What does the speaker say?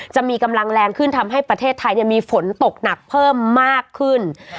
จะมีกำลังแรงขึ้นทำให้ประเทศไทยมีฝนตกหนักเพิ่มมากขึ้น